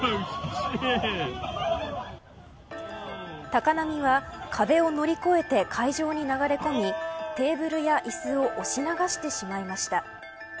高波は壁を乗り越えて会場に流れ込みテーブルや、いすを押し流してしまいました。